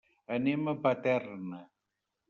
Anem a Paterna.